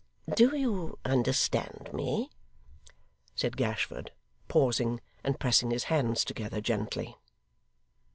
Do you understand me?' said Gashford, pausing, and pressing his hands together gently.